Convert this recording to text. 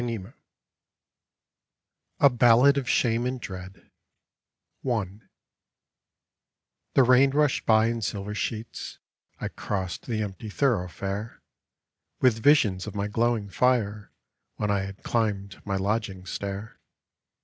A BALLAD OF SHAME AND DREAD 'T^HE rain rushed by in silver sheets ;*• I crossed the empty thoroughfare With visions of my glowing fire When I had climbed my lodging stair.